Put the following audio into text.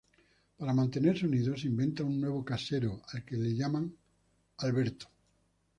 Para mantenerse unidos, se inventan un nuevo "casero", al que llaman Alberto.